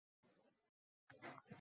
Tepamda yonadi zangori chiroq…